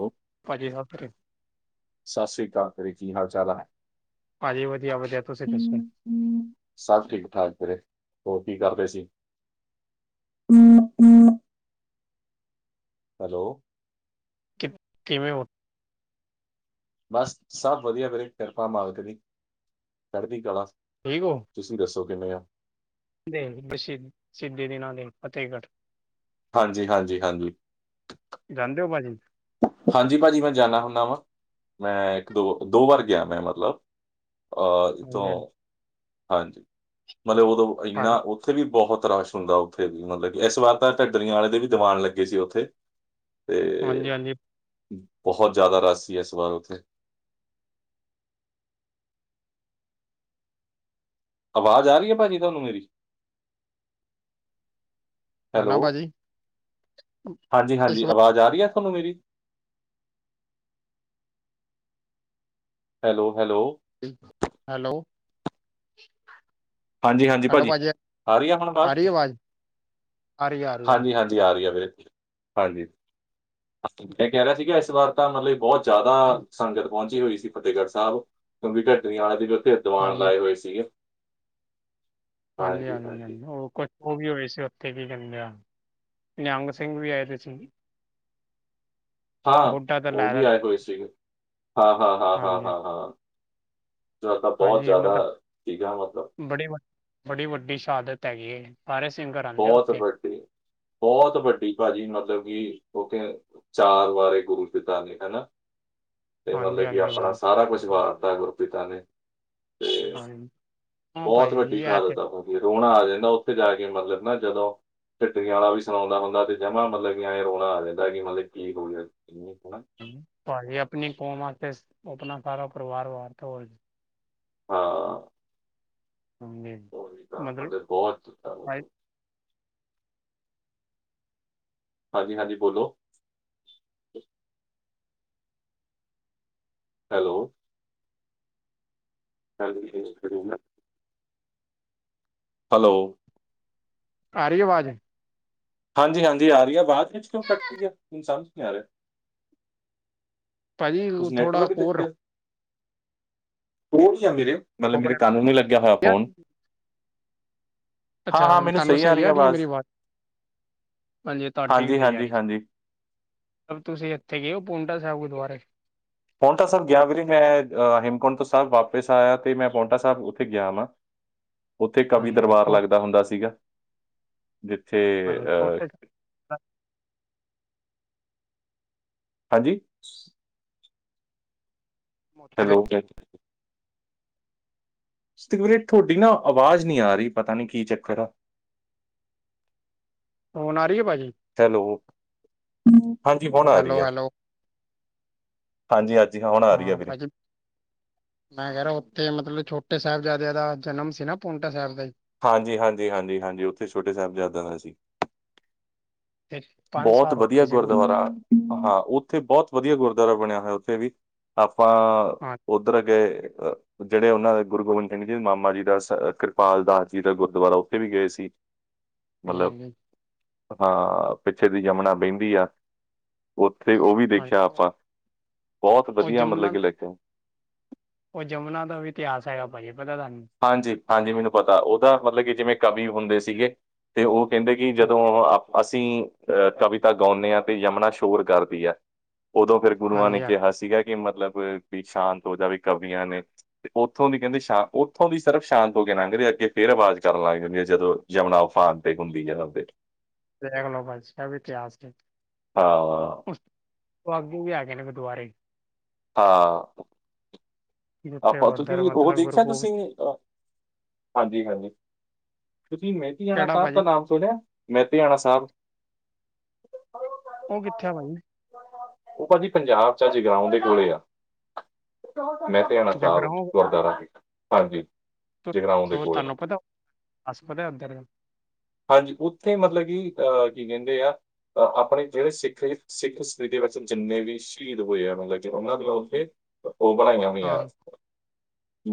ਹੋ, ਭਾਜੀ ਹਫ ਸਤਿ ਸ੍ਰੀ ਅਕਾਲ ਤੇਰੇ ਕੀ ਹਾਲ ਚਾਲ ਹੈ ਹਜੀ ਵਧੀਆ ਵਧ ਸਭ ਠੀਕ ਠਾਕ ਵੀਰੇ ਹੋਰ ਕੀ ਕਰਦੇ ਸੀ? ਹੈਲੋ ਕਿ ਕਿਵੇਂ? ਬਸ ਸਭ ਵਧੀਆ ਵੀਰੇ, ਕਿਰਪਾ ਮਾਲਕ ਦੀ, ਚੜਦੀਕਲਾ। ਠੀਕ ਹੋ। ਤੁਸੀਂ ਦੱਸੋ ਕਿੰਵੇਂ ਆ। ਦੇ ਸਿੱਧੇ ਦੇ ਨਾਲ ਹੀ ਫ਼ਤਿਹਗੜ੍ਹ। ਹਾਂਜੀ ਹਾਂਜੀ ਹਾਂਜੀ। ਜਾਂਦੇ ਓ ਭਾਜੀ। ਹਾਂਜੀ ਭਾਜੀ ਮੈਂ ਜਾਂਦਾ ਹੁੰਦਾ ਵਾਂ, ਮੈਂ ਇੱਕ -ਦੋ, ਦੋ ਵਾਰ ਗਿਆ ਮੈਂ ਮਤਲਬ, ਅਹ ਹਾਂਜੀ ਇਥੋਂ, ਹਾਂਜੀ, ਮਤਲਬ ਉਦੋਂ ਇੰਨਾ ਭਾਜੀ- ਉਹ ਉੱਥੇ ਵੀ ਬਹੁਤ ਰਸ਼ ਹੁੰਦਾ ਉੱਥੇ ਵੀ ਮਤਲਬ ਕਿ ਇਸ ਵਾਰ ਤਾਂ ਢੱਡਰੀਆਂ ਵਾਲੇ ਦੇ ਵੀ ਦੀਵਾਨ ਲੱਗੇ ਸੀ ਉੱਥੇ ਹਾਂਜੀ ਤੇ, ਹਾਂਜੀ ਬਹੁਤ ਜ਼ਿਆਦਾ ਰਸ਼ ਸੀ ਹੈ ਇਸ ਵਾਰ ਉੱਥੇ ਆਵਾਜ਼ ਆ ਰਹੀ ਹੈ ਭਾਜੀ ਤੁਹਾਨੂੰ ਮੇਰੀ ਹੈ ਨਾ ਹੈਲੋ, ਭਾਜੀ ਹਾਂਜੀ- ਇਸ ਹਾਂਜੀ ਵਾਰ। ਆਵਾਜ਼ ਆ ਰਹੀ ਹੈ ਤੁਹਾਨੂੰ ਮੇਰੀ ਹੈਲੋ ਹੈਲੋ ਹੈਲੋ ਹਾਂਜੀ-ਹਾਂਜੀ ਭਾਜੀ, ਆ ਰਹੀ ਹੁਣ ਆ ਰਹੀ ਆਵਾਜ, ਹੈ ਆਵਾਜ਼ ਆ ਰਹੀ ਆ ਰਹੀ ਹੈ ਹਾਂਜੀ -ਹਾਂਜੀ ਆ ਰਹੀ ਹੈ ਵੀਰੇ, ਹਾਂਜੀ, ਮੈਂ ਕਹਿ ਰਿਹਾ ਸੀਗਾ ਇਸ ਵਾਰ ਤਾਂ ਮਤਲਬ ਬਹੁਤ ਹਾਂ ਜ਼ਿਆਦਾ, ਸੰਗਤ ਪਹੁੰਚੀ ਹੋਈ ਸੀ ਫਤਿਹਗੜ੍ਹ ਸਾਹਿਬ, ਕਿਉਂਕਿ ਢੱਡਰੀਆਂ ਵਾਲੇ ਦੇ ਉੱਥੇ ਦੀਵਾਨ ਹਾਂਜੀ ਲਾਏ ਹੋਏ ਸੀ। ਹਾਂਜੀ ਹਾਂਜੀ ਹਾਂਜੀ-ਹਾਂਜੀ ਹਾਂਜੀ, ਉਹ ਕੁ ਉਹ ਵੀ ਹੋਏ ਸੀ ਉੱਥੇ ਕੀ ਕਹਿੰਦੇ ਆ, ਨਿਹੰਗ ਸਿੰਘ ਵੀ ਆਏ ਤੇ ਸੀ ਹਾਂ, ਬੁੱਢਾ ਤਾਂ ਉਹ ਲੈ ਵੀ ਆਏ ਹੋਏ ਸੀ, ਹਾਂ ਹਾਂ ਹਾਂ ਹਾਂ ਹਾਂਜੀ ਹਾਂ ਹਾਂ, ਤਾਂ ਬਹੁਤ ਭਾਜੀ ਜ਼ਿਆਦਾ ਮਤਲਬ ਸੀਗਾ ਮਤਲਬ ਬੜੀ ਵ, ਬੜੀ ਵੱਡੀ ਸ਼ਹਾਦਤ ਹੈਗੀ ਏ। ਭਾਰੇ ਸਿੰਗਰ ਆਉਂਦੇ ਆ ਬਹੁਤ ਉੱਥੇ ਵੱਡੀੇ, ਬਹੁਤ ਵੱਡੀ ਭਾਜੀ, ਮਤਲਬ ਕਿ ਉੱਥੇ ਚਾਰ ਵਾਰੇ ਗੁਰੂ ਪਿਤਾ ਨੇ ਹਨਾ। ਤੇ ਹਾਂਜੀ ਮਤਲਬ ਕਿ ਹਾਂਜੀ ਆਪਣਾ ਸਾਰਾ ਕੁਛ ਭਾਜੀ ਵਾਰਤਾ ਗੁਰਪਿਤਾ ਨੇ, ਤੇ, ਹਮ ਬਹੁਤ ਵੱਡੀ ਸ਼ਹਾਦਤ ਆ ਉੱਥੋਂ ਦੀ, ਰੋਣਾ ਆ ਜਾਂਦਾ ਉੱਥੇ ਜਾ ਕੇ, ਮਤਲਬ ਨਾ ਜਦੋਂ ਚਟਰੀਆਂ ਵਾਲਾ ਵੀ ਸੁਣਾਉਂਦਾ ਹੁੰਦਾ ਤੇ ਜਮਾ ਮਤਲਬ ਕਿ ਇਹ ਰੋਣਾ ਆ ਜਾਂਦਾ ਕਿ ਮਤਲਬ ਕੀ ਹੋ, ਹੋਣਾ ਭਾਜੀ ਆਪਣੀ ਕੌਮਾਤੇ ਆਪਣਾ ਸਾਰਾ ਪਰਿਵਾਰ ਵਾਰਤਾ ਹੋ ਹਾਂ ਸਮਝੇ ਉਹੀ ਤਾਂ ਮਤਲਬ ਅ ਬਹੁਤਾ ਭਾਈ- ਹਾਂਜੀ- ਹਾਂਜੀ, ਬੋਲੋ, ਹੈਲੋ ਨਾਲ ਵਿਸ਼ੇ ਕਰ ਹੈਲੋ ਆ ਰਹੀ ਆਵਾਜ਼ ਹਾਂਜੀ- ਹਾਂਜੀ ਆ ਰਹੀ ਆਵਾਜ, ਬਾਅਦ ਵਿੱਚ ਕਿਉਂ ਕੱਟਦੀ, ਹੁਣ ਸਮਝ ਨਹੀਂ ਆ ਰਿਹਾ ਭਾਜੀ ਕੁਛ ਥੋੜਾ ਨੈਟਵਰਕ ਦੇ ਕੋਰ ਉੱਤੇ, ਹੋਣਗੀਆਂ ਵੀਰੇ। ਰੱਖੋ ਮਤਲਬ ਮੇਰੇ ਆਪਣੇ ਕੰਨ ਨੂੰ ਨੀ ਲੱਗਿਆ ਹੋਇਆ ਤੇ। ਫੋਨ, ਤੁਹਾਨੂੰ ਸਹੀ ਆ ਰਹੀ ਆ ਮੇਰੀ ਆਵਾਜ਼ ਹਾਂਜੀ, ਤੁਹਾਡੀ ਵੀ ਸਹੀ ਆ ਹਾਂਜੀ ਰਹੀ ਹਾਂਜੀ ਹੁਣ ਤੁਸੀਂ ਇੱਥੇ ਗਏ ਹੋ ਪਾਉਂਟਾ ਸਾਹਿਬ ਗੁਰਦੁਆਰੇ, ਪਾਉਂਟਾ ਸਾਹਿਬ ਗਿਆ ਵੀਰੇ ਮੈਂ, ਹੇਮਕੁੰਟ ਤੋਂ ਸਾਹਿਬ ਵਾਪਿਸ ਆਇਆ ਤੇ ਮੈਂ ਪਾਉਂਟਾ ਸਾਹਿਬ ਉੱਥੇ ਗਿਆ ਵਾ। ਉੱਥੇ ਕਵੀ ਹਾਂਜੀ ਹਾਂਜੀ ਦਰਬਾਰ ਛੋ- ਲੱਗਦਾ ਹੁੰਦਾ ਸੀਗਾ ਜਿੱਥੇ, ਹਾਂਜੀ ਅਹ ਛੋਟੇ ਹਾਂਜੀ ਮੋਟੇ ਦੇ ਹੈਲੋ [unintelligible] ਸਤਵੀਰੇ ਤੁਹਾਡੀ ਨਾ ਆਵਾਜ਼ ਨੀ ਆ ਰਹੀ, ਪਤਾ ਨੀ ਕੀ ਚੱਕਰ ਆ ਫੋਨ ਆ ਰਹੀ ਹੈ ਭਾਜੀ ਹੈਲੋ, ਹਾਂਜੀ ਹੁਣ ਆ ਰਹੀ ਹੈਲੋ ਹੈ ਹੈਲੋ ਹਾਂਜੀ -ਹਾਂਜੀ, ਹੁਣ ਆ ਰਹੀ ਆ ਹਾਂ ਵੀਰੇ ਭਾਜੀ ਮੈਂ ਕਿਹਾ ਰਿਹਾ, ਉੱਥੇ ਮਤਲਬ ਛੋਟੇ ਸਾਹਿਬਜ਼ਾਦਿਆਂ ਦਾ ਜਨਮ ਸੀ ਨਾ ਪਾਉਂਟਾ ਸਾਹਿਬ ਦਾ। ਹਾਂਜੀ -ਹਾਂਜੀ, ਹਾਂਜੀ -ਹਾਂਜੀ, ਉੱਥੇ ਛੋਟੇ ਸਾਹਿਬਜ਼ਾਦਾਂ ਦਾ ਸੀ, ਤੇ ਪੰਜ ਬਹੁਤ ਸਾਲ ਰੁਕੇ ਵਧੀਆ ਸੀ ਗੁਰੂ ਗੋ- ਗੁਰਦੁਆਰਾ। ਹਾਂ, ਉੱਥੇ ਬਹੋਤ ਵਧੀਆ ਗੁਰਦੁਆਰਾ ਬਣਿਆ ਹੋਇਆ ਉੱਥੇ ਵੀ, ਆਪਾਂ ਹਾਂ। ਉੱਧਰ ਗਏ ਅ ਜਿਹੜੇ ਉਹਨਾਂ ਦੇ ਗੁਰੂ ਗੋਬਿੰਦ ਸਿੰਘ ਜੀ, ਮਾਮਾ ਜੀ ਦਾ ਕਿਰਪਾਲ ਦਾਸ ਜੀ ਦਾ ਗੁਰਦੁਆਰਾ, ਉੱਥੇ ਵੀ ਗਏ ਸੀ। ਮਤਲਬ, ਹਾਂਜੀ ਹਾਂ ਪਿੱਛੇ ਦੀ ਜਮਨਾ ਬਹਿੰਦੀ ਐ। ਉੱਥੇ ਉਹ ਵੀ ਦੇਖਿਆ ਹਾਂਜੀ ਆਪਾਂ। ਬਹੁਤ ਉਹ ਵਧੀਆ ਜਮੁਨਾ ਮਤਲਬ ਕਿ ਲੱਗੇਆ। ਉਹ ਜਮੁਨਾ ਦਾ ਵੀ ਇਤਿਹਾਸ ਹੈਗਾ ਭਾਜੀ, ਪਤਾ ਤੁਹਾਨੂੰ? ਹਾਂਜੀ-ਹਾਂਜੀ ਮੈਨੂੰ ਪਤਾ, ਉਹਦਾ ਮਤਲਬ ਕਿ ਜਿਵੇਂ ਕਵੀ ਹੁੰਦੇ ਸੀਗੇ, ਤੇ ਉਹ ਕਹਿੰਦੇ ਕਿ ਹਾਂ- ਜਦੋਂ ਆ ਅਸੀਂ ਅਹ ਕਵਿਤਾ ਗਾਉਂਣੇ ਆ, ਤੇ ਯਮੁਨਾ ਸ਼ੋਰ ਕਰਦੀ ਏ, ਉਦੋਂ ਫਿਰ ਗੁਰੂਆਂ ਨੇ ਹਾਂਜੀ ਹਾਂਜੀ ਕਿਹਾ ਸੀਗਾ, ਕਿ ਮਤਲਬ ਵੀ ਸ਼ਾਂਤ ਹੋ ਜਾਵੇ ਕਵੀਆਂ ਨੇ, ਤੇ ਉੱਥੋਂ ਦੀ ਕਹਿੰਦੇ ਸ਼ਾ ਓ ਉੱਥੋਂ ਵੀ ਸਿਰਫ਼ ਸ਼ਾਂਤ ਹੋ ਕੇ ਲੰਘ ਰੇਆ, ਅੱਗੇ ਫੇਰ ਆਵਾਜ਼ ਕਰਨ ਲੱਗ ਜਾਂਦੀ ਏ, ਜਦੋਂ ਜਮੁਨਾ ਉਫ਼ਾਨ ਤੇ ਹੁੰਦੀ ਆ ਆਪ ਦੇ ਦੇਖ ਲਓ ਭਾਜੀ, ਇਹ ਵੀ ਇਤਿਹਾਸ ਜੇ। ਆਂ। ਅੱਗੇ ਵੀ ਹੈਗੇ ਨੇ ਗੁਰਦੁਆਰੇ। ਹਾਂ, ਜਿੱਥੇ ਆਪਾਂ ਉਧਰ ਤੁਹੀਂ ਉਹ ਮਤਲਬ ਗੁਰੂ ਦੇਖਿਆ ਗੋਬਿੰਦ ਤੁਸੀਂ ਅ ਹਾਂਜੀ-ਹਾਂਜੀ, ਤੁਸੀਂ ਮੇਹਤੇਆਣਾ ਕਿਹੜਾ ਸਾਬ ਦਾ ਭਾਜੀ ਨਾਮ ਸੁਣਿਆ? ਮੇਹਤੇਆਣਾ ਸਾਬ ਉਹ ਕਿੱਥੇ ਏ ਭਾਜੀ? ਉਹ ਭਾਜੀ ਪੰਜਾਬ ਚ ਏ, ਜਗਰਾਉਣ ਦੇ ਕੋਲੇ ਆ। ਮੇਹਤੇਆਣਾ ਸਾਹਿਬ ਜਗਰਾਉਂ ਗੁਰਦੁਆਰਾ, ਹਾਂਜੀ। ਜਗਰਾਉਂ ਦੇ ਸ ਕੋਲੇ ਤਾਨੂੰ ਪਤਾ? ਹਸ ਪਦੇ ਉੱਧਰ ਹਾਂਜੀ, ਉੱਥੇ ਮਤਲਬ ਕਿ, ਅਹ ਕੀ ਕਹਿੰਦੇ ਆ? ਅਹ ਆਪਣੇ ਜਿਹੜੇ ਸਿੱਖ, ਸਿੱਖ ਸਿਤੀ ਵਿੱਚ ਜਿੰਨੇ ਵੀ ਸ਼ਹੀਦ ਹੋਏ ਆ ਮਤਲਬ ਕਿ, ਉਹਨਾਂ ਦੇ ਉੱਥੇ ਉਹ ਬਾਹਾਈਆਂ ਪਈਆਂ, ਹਾਂ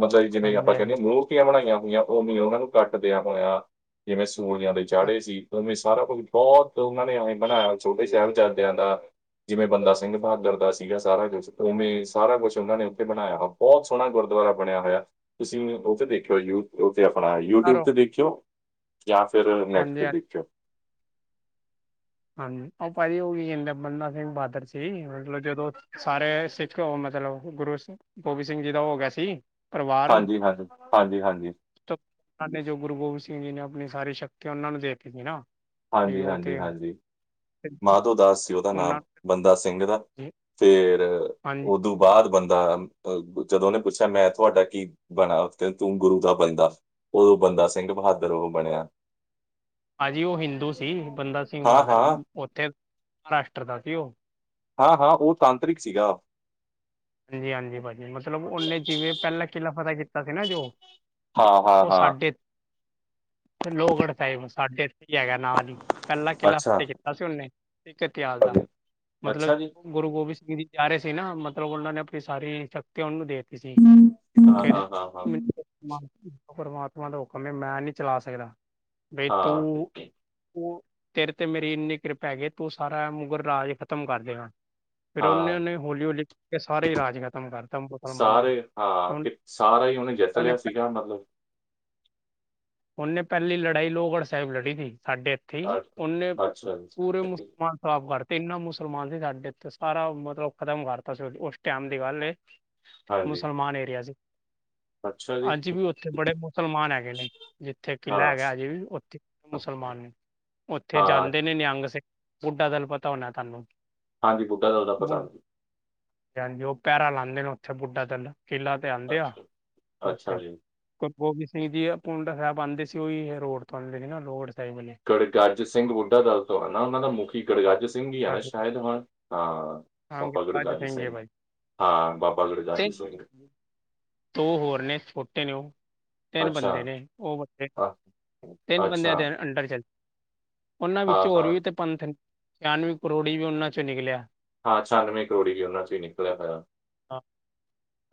ਮਤਲਬ ਜਿਵੇਂ ਹਾਂਜੀ ਆਪਾਂ ਕਹਿੰਦੇ ਆ ਹਾਂਜੀ ਮੂੰਹ ਮੂਰਤੀਆਂ ਬਣਾਈਆਂ ਹੋਈਆਂ, ਉਹ ਵੀ ਉਹਨਾਂ ਨੂੰ ਕੱਟ ਦਿਆਂ ਹੋਇਆ, ਜਿਵੇਂ ਸੰਗੋਲੀਆਂ ਦੇ ਚਾੜੇ ਸੀ। ਔਵੇਂ ਸਾਰਾ ਕੁਛ ਬਹੁਤ ਉਹਨਾਂ ਨੇ ਔਵੇਂ ਬਣਾਇਆ, ਛੋਟੇ ਸਾਹਿਬਜ਼ਾਦਿਆਂ ਦਾ। ਜਿਵੇਂ ਬੰਦਾ ਸਿੰਘ ਬਹਾਦਰ ਦਾ ਸੀਗਾ ਸਾਰਾ ਕੁਛ, ਉਵੇਂ ਸਾਰਾ ਕੁਛ ਉਹਨਾਂ ਨੇ ਉੱਥੇ ਬਣਾਇਆ ਵਾ। ਬਹੋਤ ਸੋਹਣਾ ਗੁਰਦੁਆਰਾ ਬਣਿਆ ਹੋਇਆ, ਤੁਸੀਂ ਉਥੇ ਦੇਖਿਓ, ਯੂ ਉਹ ਤੇ ਆਪਣਾ ਯੂ ਟਿਊਬ ਕਰੋ ਤੇ ਦੇਖਿਓ। ਜਾਂ ਫਿਰ ਨੈਟ ਹਾਂਜੀ ਤੇ ਹਾਂਜੀ ਦੇਖਿਓ। ਹਾਂਜੀ, ਉਹ ਭਾਜੀ ਉਹ ਵੀ ਹਿੰਦ ਬੰਦਾ ਸਿੰਘ ਬਹਾਦਰ ਸੀ, ਮਤਲਬ ਜਦੋਂ ਸਾਰੇ ਸਿੱਖ ਮਤਲਬ [unintelligible] ਗੁਰੂ ਗੋਬਿੰਦ ਸਿੰਘ ਜੀ ਦਾ ਹੋ ਗਿਆ ਸੀ। ਪਰਿਵਾਰ ਹਾਂਜੀ-ਹਾਂਜੀ, ਹਾਂਜੀ-ਹਾਂਜੀ। ਉਹਨਾਂ ਨੇ, ਜੋ ਗੁਰੂ ਗੋਬਿੰਦ ਸਿੰਘ ਜੀ ਨੇ ਆਪਣੀ ਸਾਰੀ ਸ਼ਕਤੀਆਂ ਉਹਨਾਂ ਨੂੰ ਦੇਤੀ ਸੀ ਨਾ। ਤੇ ਉਹ ਤੇ ਹਾਂਜੀ-ਹਾਂਜੀ-ਹਾਂਜੀ। ਮਾਧੋ ਦਾਸ ਸੀ ਉਹਦਾ ਨਾਮ, ਉਹਨਾਂ ਬੰਦਾ ਸਿੰਘ ਦਾ, ਫੇਰ ਹਾਂਜੀ ਉਦੋਂ ਬਾਅਦ ਬੰਦਾ ਅ, ਜਦੋਂ ਉਹਨੇ ਪੁੱਛਿਆ ਮੈਂ ਤੁਹਾਡਾ ਕੀ ਬਣਾ, ਕਹਿੰ ਤੂੰ ਗੁਰੂ ਦਾ ਬੰਦਾ। ਉਦੋਂ ਬੰਦਾ ਸਿੰਘ ਬਹਾਦਰ ਉਹ ਬਣਿਆ। ਭਾਜੀ ਉਹ ਹਿੰਦੂ ਸੀ, ਬੰਦਾ ਸਿੰਘ ਹਾਂ ਬਹਾਦਰ, ਹਾਂ ਉੱਥੇ ਮਹਾਰਾਸ਼ਟਰ ਦਾ ਸੀ ਉਹ। ਹਾਂ-ਹਾਂ ਉਹ ਤਾਂਤਰਿਕ ਸੀਗਾ। ਹਾਂਜੀ-ਹਾਂਜੀ ਭਾਜੀ, ਮਤਲਬ ਉਹਨੇ ਜਿਵੇਂ ਪਹਿਲਾ ਕਿਲ੍ਹਾ ਫਤਤਾਹ ਕੀਤਾ ਸੀ ਨਾ ਜੋ ਹਾਂ ਹਾਂ ਉਹ ਹਾਂ ਸਾਡੇ, ਲੋਗੜ੍ਹ ਸਾਹਿਮ, ਸਾਡੇ ਇਥੇ ਹੈਗਾ ਨਾਲ ਈ, ਪਹਿਲਾਂ ਕਿਲ੍ਹਾ ਅੱਛਾ ਆਪੇ ਕੀਤਾ ਸੀ ਉਹਨੇ, ਸਿੱਖ ਇਤਿਹਾਸ ਦਾ, ਮਤਲਬ ਅੱਛਾ ਜੀ ਗੁਰੂ ਗੋਬਿੰਦ ਸਿੰਘ ਜੀ ਜਾ ਰਏ ਸੀ ਨਾ, ਮਤਲਬ ਉਹਨਾਂ ਨੇ ਆਪਣੀ ਸਾਰੀ ਸ਼ਕਤੀਆਂ ਉਹਨੂੰ ਦੇ ਸੀ ਹਾਂ ਓਕੇਨ ਹਾਂ ਹਾਂ ਹਾਂ [unintelligible] ਮਾਨ ਸਿੰਘ ਪਰਮਾਤਮਾ ਦਾ ਹੁਕਮ ਏ, ਮੈਂ ਨਈ ਚਲਾ ਸਕਦਾ, ਬਈ ਤੂੰ ਹਾਂ ਤੂੰ, ਤੇਰੇ ਤੇ ਮੇਰੀ ਇੰਨੀ ਕਿਰਪਾ ਹੈਗੀ ਏ, ਤੂੰ ਸਾਰਾ ਮੁਗਲ ਰਾਜ ਖ਼ਤਮ ਕਰ ਦੇਗਾ। ਫੇਰ ਹਾਂ ਉਹਨੇ-ਉਹਨੇ ਹੋਲੀ-ਹੋਲੀ ਸਾਰੇ ਹੀ ਰਾਜ ਖ਼ਤਮ ਕਰਤਾ ਮੁਸਲਮਾਨਾਂ ਦਾ ਸਾਰੇ ਤੇ ਹਾਂ ਕਿ ਸਾਰਾ ਹੀ ਉਹਨੇ ਜਿੱਤ ਹੁਣੇ ਲਿਆ ਸੀਗਾ ਮਤਲਬ ਉਹਨੇ ਪਹਿਲੀ ਲੜਾਈ ਲੋਹਗੜ੍ਹ ਸਾਹਿਬ ਲੜੀ ਸੀ ਸਾਡੇ ਠੀਕ ਅੱਛਾ ਉਹਨੇ ਅੱਛਾ ਪੂਰੇ ਜੀ, ਮੁਸਲਮਾਨ ਸਾਫ਼ ਕਰ ਇੰਨਾ ਮੁਸਲਮਾਨ ਸੀ ਸਾਡੇ ਉੱਥੇ ਸਾਰਾ ਮਤਲਬ ਖ਼ਤਮ ਕਰਤਾ ਸੀ ਉਸ ਟਾਈਮ ਦੀ ਗੱਲ ਏ ਹਾਂਜੀ, ਮੁਸਲਮਾਨ ਏਰੀਆ ਸੀ। [unintelligible] ਅੱਜ ਵੀ ਉੱਥੇ ਬੜੇ ਮੁਸਲਮਾਨ ਹੈਗੇ ਨੇ। ਜਿੱਥੇ ਕਿਲਾ ਹਾਂ। ਹੈਗਾ ਅਜੇ ਵੀ ਉੱਥੇ ਮੁਸਲਮਾਨ ਨੇ ਉੱਥੇ ਹਾਂ, ਜਾਂਦੇ ਨੇ ਨਿਯੰਗ ਸਿੰਘ ਬੁੱਢਾ ਦਲ ਪਤਾ ਹੋਣਾ ਤੁਹਾਨੂੰ। ਹਾਂਜੀ, ਬੁੱਢਾ ਦੱਬ ਤਾ ਬੁੱਢਾ ਹਾਂਜੀ, ਉਹ ਪੈਰਾ ਲਾਉਂਦੇ ਨੇ ਉੱਥੇ ਬੁੱਢਾ ਦਲ ਕਿਲਾ ਤੇ ਆਦੇ ਆ ਅੱਛਾ, ਉੱਥੇ। ਅੱਛਾ ਜੀ। 'ਗੁਰ ਗੋਬਿੰਦ ਸਿੰਘ ਜੀ'ਪੁੰਡਾ ਸਾਹਿਬ ਆਉਂਦੇ ਸੀ ਉਹੀ ਰੋਡ ਤੋਂ ਆਂਦੇ ਸੀ ਨਾ ਰੋਡ ਸਾਈਡ ਵਾਲੇ ਗੜਗੱਜ ਸਿੰਘ ਬੁੱਢਾ ਦਲ ਤੋਂ ਹੈ ਨਾ ਉਹਨਾਂ ਦਾ ਮੁਖੀ ਗੜਗੱਜ ਸਿੰਘ ਹੀ ਹੈ ਨਾ ਹਾਂਜੀ ਸ਼ਾਇਦ ਹੁਣ ਹਾਂ, ਬਾਬਾ ਸੰਗਜ ਗੜਗੱਜ ਹੈ ਸਿੰਘ ਬਾਈ ਹਾਂ ਬਾਬਾ ਗੜਗੱਜ ਤਿੰਨ ਸਿੰਘ। ਨੇ ਭਾਈ, ਦੋ ਹੋਰ ਨੇ ਛੋਟੇ ਨੇ ਉਹ ਤਿੰਨ ਅੱਛਾ ਬੰਦੇ ਨੇ ਉਹ ਬੇ, ਹਾਂ। ਤਿੰਨ ਅੱਛਾ ਬੰਦਿਆਂ ਦੇ ਅੰਡਰ ਚੱਲ ਉਹਨਾਂ ਹਾਂ ਵਿੱਚੋਂ ਹੋਰ ਹਾਂ ਵੀ ਤੇ ਪੰਥ ਛਿਆਨਵੇ ਕਰੋੜੀ ਵੀ ਉਹਨਾਂ ਚੋਂ ਨਿਕਲਿਆ‌। ਹਾਂ, ਛਿਆਾਨਵੇਂ ਕਰੋੜੀ ਵੀ ਉਨਾਂ ਚੋ ਹੀ ਨਿਕਲਿਆ ਹੋਇਆ। ਹਾਂ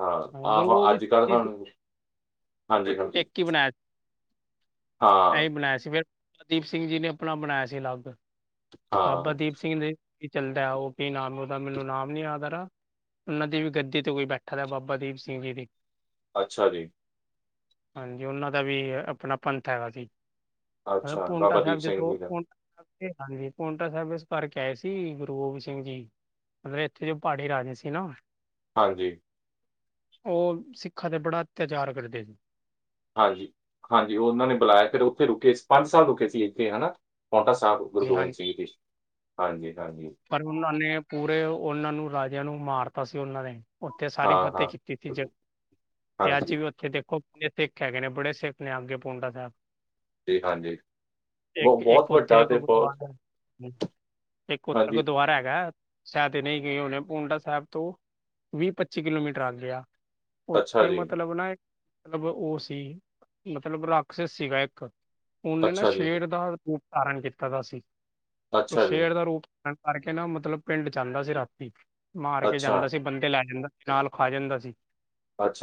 ਹਾਂ, ਗੁਰੂ ਆਹੋ ਗੋਬਿੰਦ ਅੱਜ ਸਿੰਘ ਕੱਲ ਜੀ ਹੁੰਨੂ ਹਾਂਜੀ, ਹਾਂਜੀ। ਹਾਂ ਐਹੀ ਬਣਾਇਆ ਸੀ। ਫਿਰ ਬਾਬਾ ਦੀਪ ਸਿੰਘ ਜੀ ਨੇ ਆਪਣਾ ਬਣਾਇਆ ਸੀ ਅਲੱਗ ਬਾਬਾ ਹਾਂ ਦੀਪ ਸਿੰਘ ਦੇ ਕੀ ਚੱਲਦਾ ਉਹ ਕੀ ਨਾਮ ਉਹਦਾ ਮੈਨੂੰ ਨਾਮ ਨੀ ਯਾਦਾ ਆ ਰਹਾ, ਉਹਨਾਂ ਦੀ ਵੀ ਗੱਦੀ ਤੇ ਕੋਈ ਬੈਠਾ ਦਾ ਬਾਬਾ ਦੀਪ ਸਿੰਘ ਜੀ ਦੀ। ਅੱਛਾ ਜੀ। ਹਾਂਜੀ, ਉਹਨਾਂ ਦਾ ਵੀ ਆਪਣਾ ਪੰਥ ਹੈਗਾ ਸੀ। ਅੱਛਾ ਪੋਂਟਾ ਬਾਬਾ ਦੀਪ ਸਾਹਿਬ ਸਿੰਘ ਜਦੋਂ ਜੀ ਦਾ ਹਾਂਜੀ, ਹਾਂਜੀ ਪੋਟਾ ਸਾਹਿਬ ਇਸ ਕਰਕੇ ਆਏ ਸੀ 'ਗੁਰੂ ਗੋਬਿੰਦ ਸਿੰਘ ਜੀ'। ਇੱਥੇ ਪਹਾੜੀ ਰਾਜੇ ਸੀ ਨਾ। ਹਾਂਜੀ। ਉਹ ਸਿੱਖਾਂ ਦੇ ਬੜਾ ਅਤਿਆਚਾਰ ਕਰਦੇ ਹਾਂਜੀ, ਹਾਂਜੀ, ਉਹਨਾਂ ਨੇ ਬੁਲਾਇਆ ਫਿਰ ਉੱਥੇ ਰੁਕੇ ਪੰਜ ਸਾਲ ਰੁਕੇ ਸੀ ਇੱਥੇ ਹੈਨਾ ਪੌਂਟਾ ਸਾਬ। ਗੁਰੂ ਜੀ ਗੋਬਿੰਦ ਹਾਂਜੀ ਸਿੰਘ ਜੀ ਹਾਂਜੀ, ਹਾਂਜੀ। ਪਰ ਉਹਨਾਂ ਨੇ ਪੂਰੇ ਉਹਨਾਂ ਨੂੰ ਰਾਜਿਆਂ ਨੂੰ ਮਾਰਤਾ ਸੀ ਉਹਨਾਂ ਨੇ। ਉੱਥੇ ਸਾਰੀ ਹਾਂ, ਫਤਿਹ ਹਾਂ, ਕੀਤੀ ਸੀ ਜੇ ਤੇ ਹਾਂਜੀ, ਅੱਜ ਵੀ ਉੱਥੇ ਦੇਖੋ ਦੇਖ ਕੇ ਬੜੇ [unintelligible] ਪੋਂਟਾ ਸਾਹਿਬ। ਜੀ ਹਾਂਜੀ। ਇੱਕ, ਬਹੁ ਇੱਕ ਬਹੁਤ ਵੱਡਾ ਉੱਥੇ ਤੇ ਬਹੁਤ ਗੁਰਦੁਆਰਾ ਇੱਕ ਉਥੇ ਹਾਂਜੀ, ਦਵਾਰਾ ਹੈਗਾ ਸੈਚੜੇ ਦੇ ਗਏ ਹੋਨੇ, ਪੋੰਟਾ ਸਾਹਿਬ ਤੋਂ ਵੀਹ, ਪੱਚੀ ਕਿਲੋਮੀਟਰ ਅੱਗੇ ਆ। ਅੱਛਾ ਉੱਥੇ ਜੀ, ਮਤਲਬ ਨਾ ਮਤਲਬ ਉਹ ਸੀ ਮਤਲਬ ਰਾਕਸ ਸੀਗਾ ਇੱਕ ਉਹਨੇ ਨਾ ਅੱਛਾ ਜੀ, ਸ਼ੇਰ ਦਾ ਰੂਪ ਧਾਰਨ ਕੀਤਾ ਦਾ ਸੀ। ਉਹ ਅੱਛਾ ਜੀ, ਸ਼ੇਰ ਦਾ ਰੂਪ ਕਰਕੇ ਨਾ ਮਤਲਬ ਪਿੰਡ ਜਾਂਦਾ ਸੀ ਰਾਤੀ ਮਾਰ ਕੇ ਅੱਛਾ, ਜਾਂਦਾ ਸੀ। ਬੰਦੇ ਲੈ ਜਾਂਦਾ ਸੀ ਨਾਲ ਖਾ ਜਾਂਦਾ ਸੀ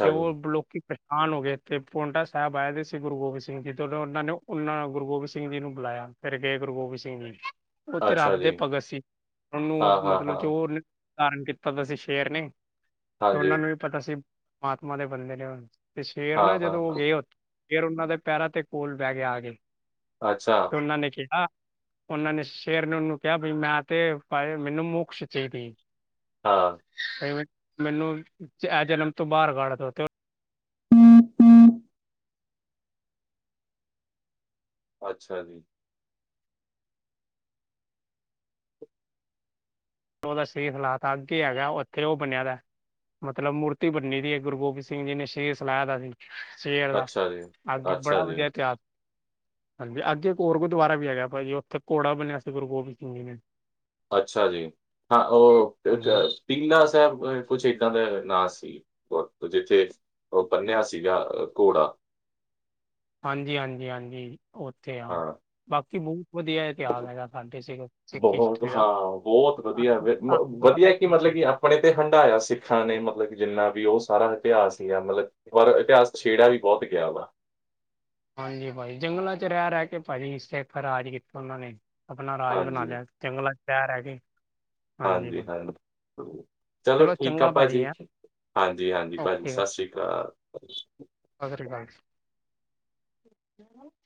ਤੇ ਜੀ, ਉਹ ਲੋਕੀ ਆਣ ਹੋ ਗਏ ਤੇ ਪੋਂਟਾ ਸਾਹਿਬ ਆਏ ਦੇ ਸੀ 'ਗੁਰੂ ਗੋਬਿੰਦ ਸਿੰਘ ਜੀ' ਜੋਂ ਉਹਨਾਂ ਨੇ ਉਹਨਾਂ 'ਗੁਰੂ ਗੋਬਿੰਦ ਸਿੰਘ ਜੀ' ਨੂੰ ਬੁਲਾਇਆ। ਫਿਰ ਗਏ 'ਗੁਰੂ ਗੋਬਿੰਦ ਸਿੰਘ ਜੀ'। ਅੱਛਾ ਜੀ। ਅਸੀਂ ਉਹਨੂੰ ਹਾਂ, ਹਾਂ, ਮਤਲਬ ਹਾਂ, ਚੋਰ ਧਾਰਨ ਕੀਤਾ ਦਾ ਸੀ ਸ਼ੇਰ ਨੇ ਤੇ ਹਾਂਜੀ, ਉਹਨਾਂ ਨੂੰ ਵੀ ਪਤਾ ਸੀ ਮਹਾਤਮਾ ਦੇ ਬੰਦੇ ਨੇ ੳਹ ਤੇ ਸ਼ੇਰ ਹਾਂ, ਨਾ ਹਾਂ, ਜਦੋਂ ਉਹ ਹਾਂ, ਗਏ ਸ਼ੇਰ ਉਹਨਾਂ ਦੇ ਪੈਰਾਂ ਤੇ ਕੋਲ ਬਹਿ ਗਿਆ ਆ ਕੇ। ਅੱਛਾ। ਤੇ ਉਹਨਾਂ ਨੇ ਕਿਹਾ, ਉਹਨਾਂ ਨੇ ਸ਼ੇਰ ਨੂੰ ਨੂੰ। ਕਿਹਾ ਬ ਮੈਂ ਤੇ ਪਾਇਲ ਮੈਨੂੰ ਮੋਕਸ਼ ਚਾਹੀ ਦੀ ਹੈ। ਹਾਂ। [inaudible] ਮੈਨੂੰ ਇਹ ਜਨਮ ਤੋਂ ਬਾਹਰ ਕਢ ਦੋ ਤੇ [inaudible] ਅੱਛਾ ਜੀ। ਉਹਦਾ ਸਹੀ ਹਲਾਤ ਅੱਗੇ ਹੈਗਾ ਉਹ ਉੱਥੇ ਉਹ ਬਣਿਆ ਦੈ। ਮਤਲਬ ਮੂਰਤੀ ਬੰਨੀ ਦੀ ਏ 'ਗੁਰੂ ਗੋਬਿੰਦ ਸਿੰਘ ਜੀ' ਨੇ ਸ਼ੇਰ ਸੁਲਾਇਆ ਦਾ ਸੀ। ਸੇ ਆਲਾ ਅੱਛਾ ਜੀ, ਅੱਗੇ ਅੱਛਾ ਬੜਾ ਜੀ। ਵਦੀਆ ਇਤਹਾਸ ਹਾਂਜੀ, ਅੱਗੇ ਇੱਕ ਹੋਰ ਗੁਰਦੁਆਰਾ ਵੀ ਹੈਗਾ ਭਾਈ ਜੀ ਉੱਥੇ ਘੋੜਾ ਬੰਨਿਆਂ ਆ ਸੀ ਗੁਰੂ ਗੋਬਿੰਦ ਸਿੰਘ ਜੀ ਨੇ। ਅੱਛਾ ਜੀ, ਹਾਂ ਉਹ ਹਾਂਜੀ ਟੀਲਾ ਸੈਬ ਕੁਛ ਇੱਦਾਂ ਦਾ ਨਾ ਸੀ। [unintelligible] ਜਿੱਥੇ ਉਹ ਬੰਨਿਆ ਸੀਗਾ ਘੋੜਾ। ਹਾਂਜੀ, ਹਾਂਜੀ, ਹਾਂਜੀ, ਉੱਥੇ ਆ। ਹਾਂ, ਬਾਕੀ ਬੌਤ ਵਦੀਆ ਇਤਿਹਾਸ ਹੈਗਾ ਸਾਡੇ ਸਿੱਖ, ਸਿੱਖ ਬਹੁਤ ਹਿਸਟਰੀ ਦਾ ਹਾਂ, ਬਹੁਤ ਵਧੀਆ ਤਾਨੂੰ ਵ ਮ ਤੁਆਨੂੰ ਤਾਂ ਪਤਾ ਵਧੀਆ ਈ ਕਿ ਮਤਲਬ ਕਿ ਅਪਣੇ ਤੇ ਹੰਢਾਇਆ ਸਿੱਖਾਂ ਨੇ ਮਤਲਬ ਕਿ ਜਿੰਨਾ ਵੀ ਉਹ ਸਾਰਾ ਇਤਿਹਾਸ ਸੀਗਾ ਮਤਲਬ ਪਰ ਇਤਿਹਾਸ ਛੇੜਿਆ ਵੀ ਬੌਤ ਗਿਆ ਵਾ। ਹਾਂਜੀ, ਪਾਜੀ ਜੰਗਲਾਂ ਚ ਰੈ ਰੈ ਕੇ ਪਾਜੀ ਸਿੱਖ ਰਾਜ ਹੀ ਉਹਨਾਂ ਨੇ ਅਪਣਾ ਰਾਜ ਬਣਾ ਹਾਂਜੀ, ਲਿਆ ਜੰਗਲਾ ਚ ਰੈ ਰੈ ਕੇ। ਹਾਂਜੀ, [unintelligible] ਚਲੋ ਠੀਕ ਆ ਚੰਗਾ ਭਾਜੀ ਪਾਜੀ। ਹੈ ਹਾਂਜੀ-ਹਾਂਜੀ ਪਾਜੀ ਓਕੇ ਓਕੇ ਸਾਸੀ ਕਾਲ। [unintelligible]